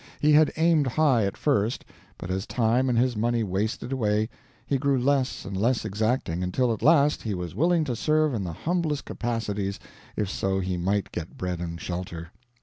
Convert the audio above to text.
He had aimed high, at first, but as time and his money wasted away he grew less and less exacting, until at last he was willing to serve in the humblest capacities if so he might get bread and shelter.